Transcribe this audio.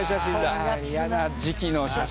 うわ嫌な時期の写真。